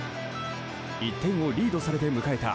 １点をリードされて迎えた